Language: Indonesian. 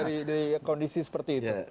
dari kondisi seperti itu